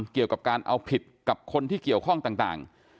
เกี่ยวกับการเอาผิดกับคนที่เกี่ยวข้องต่าง